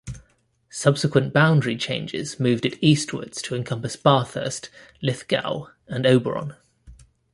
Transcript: Subsequent boundary changes moved it eastwards to encompass Bathurst, Lithgow and Oberon.